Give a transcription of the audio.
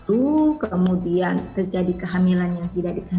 luhur kemudian terjadi kehamilan yang tidak dipercaya